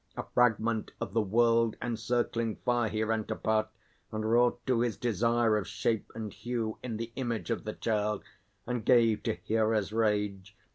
A fragment of the world encircling fire He rent apart, and wrought to his desire Of shape and hue, in the image of the child, And gave to Hera's rage.